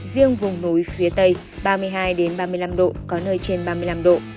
riêng vùng núi phía tây ba mươi hai ba mươi năm độ có nơi trên ba mươi năm độ